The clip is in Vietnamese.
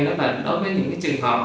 đó là đối với những cái trường hợp